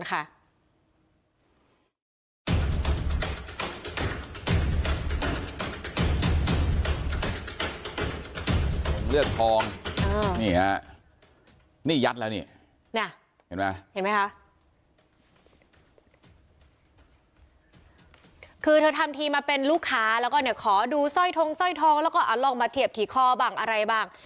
คือเธอทำทีมาเป็นลูกค้าแล้วก็เนี่ยขอดูสร้อยทงสร้อยทองแล้วก็เอาลองมาเทียบที่คอบ้างอะไรบ้าง